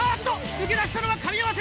抜け出したのは神山選手！